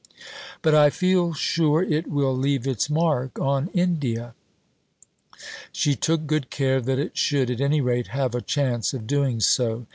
But I feel sure it will leave its mark on India." She took good care that it should at any rate have a chance of doing so.